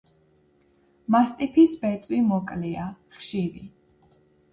მასტიფის ბეწვი მოკლეა, ხშირი.